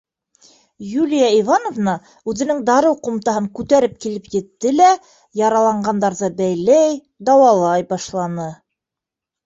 Юлия Ивановна үҙенең дарыу ҡумтаһын күтәреп килеп етте лә яраланғандарҙы бәйләй, дауалай башланы.